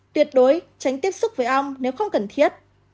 tuyệt đối tránh tiếp xúc với ong nếu không cần thiết